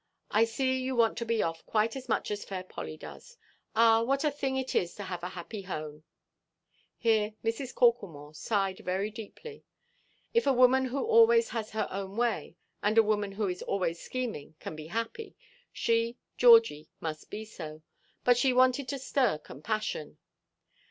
I see you want to be off quite as much as fair Polly does. Ah, what a thing it is to have a happy home!" Here Mrs. Corklemore sighed very deeply. If a woman who always has her own way, and a woman who is always scheming, can be happy, she, Georgie, must be so; but she wanted to stir compassion.